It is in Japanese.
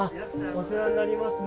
お世話になります。